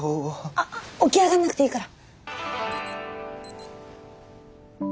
あっ起き上がんなくていいから。